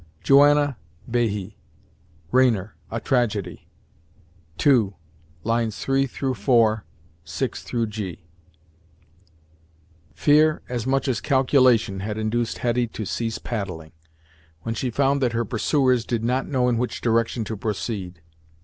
Joanna Baihie, "Rayner: A Tragedy," II.L3 4, 6 g. Fear, as much as calculation, had induced Hetty to cease paddling, when she found that her pursuers did not know in which direction to proceed.